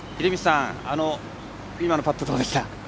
今のパット、どうでした？